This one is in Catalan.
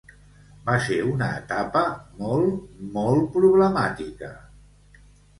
Va ser una etapa molt, molt problemàtica.